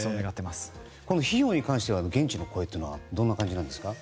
費用に関しては現地の声はどんな感じなんですか？